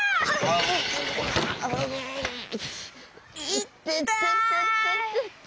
いてててててて。